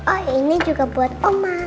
oh ini juga buat oman